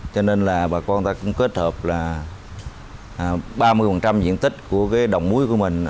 cho nên bà con ta cũng kết hợp ba mươi diện tích của đồng muối của mình